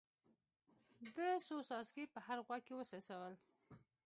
ده څو څاڅکي په هر غوږ کې وڅڅول.